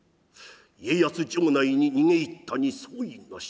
家康城内に逃げ入ったに相違なし。